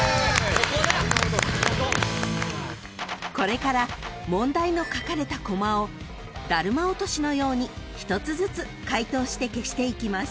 ［これから問題の書かれたコマをダルマ落としのように一つずつ解答して消していきます］